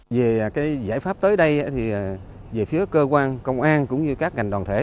về giải pháp tới đây về phía cơ quan công an cũng như các ngành đoàn thể